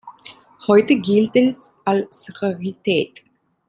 Heute gilt es als Rarität.